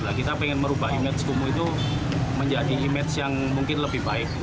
nah kita pengen merubah image kumuh itu menjadi image yang mungkin lebih baik